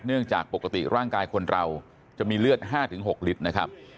จากปกติร่างกายคนเราจะมีเลือด๕๖ลิตรนะครับ